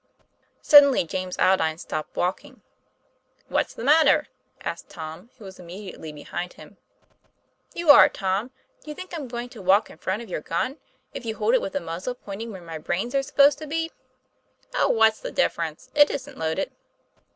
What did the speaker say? Suddenly James Aldine stopped walking. "What's the matter?" asked Tom, who was im mediately behind him. "You are, Tom. Do you think I'm going to walk in front of your gun, if you hold it with the muzzle pointing where my brains are supposed to be ?" "Oh, what's the difference? It isn't loaded."